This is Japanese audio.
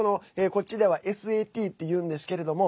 こっちではＳＡＴっていうんですけれども。